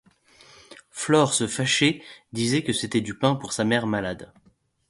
Flore se fâchait, disait que c'était du pain pour sa mère malade.